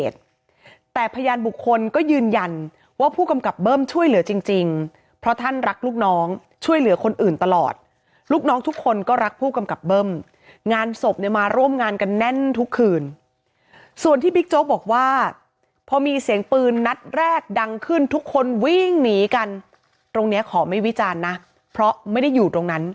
แต่พญานบุคคลก็ยืนยันว่าผู้กำกับเบิ้มช่วยเหลือจริงจริงเพราะท่านรักลูกน้องช่วยเหลือคนอื่นตลอดลูกน้องทุกคนก็รักผู้กำกับเบิ้มงานศพเนี้ยมาร่วมงานกันแน่นทุกคืนส่วนที่บิ๊กโจ๊กบอกว่าพอมีเสียงปืนนัดแรกดังขึ้นทุกคนวิ่งหนีกันตรงเนี้ยขอไม่วิจารณ์นะเพราะไม่ได้อยู่ต